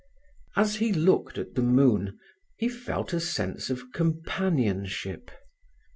As he looked at the moon he felt a sense of companionship.